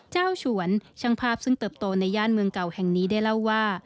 ฉวนช่างภาพซึ่งเติบโตในย่านเมืองเก่าแห่งนี้ได้เล่าว่า